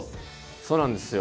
そうなんですよ。